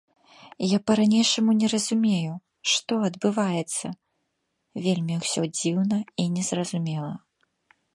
Я па-ранейшаму не разумею, што адбываецца, вельмі ўсё дзіўна і незразумела.